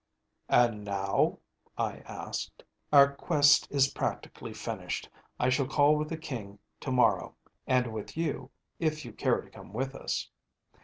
‚ÄĚ “And now?‚ÄĚ I asked. “Our quest is practically finished. I shall call with the King to morrow, and with you, if you care to come with us.